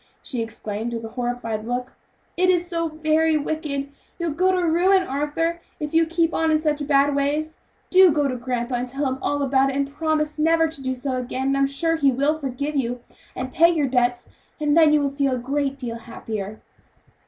she exclaimed with a horrified look. "It is so very wicked! you'll go to ruin, Arthur, if you keep on in such bad ways; do go to grandpa and tell him all about it, and promise never to do so again, and I am sure he will forgive you, and pay your debts, and then you will feel a great deal happier."